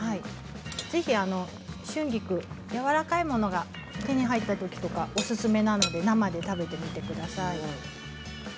ぜひ春菊、やわらかいものが手に入ったときとかおすすめなので生で食べてみてください。